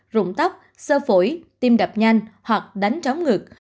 rụng tóc sơ phổi tim đập nhanh hoặc đánh tróng ngược